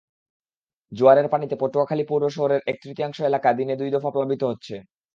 জোয়ারের পানিতে পটুয়াখালী পৌর শহরের এক-তৃতীয়াংশ এলাকা দিনে দুই দফা প্লাবিত হচ্ছে।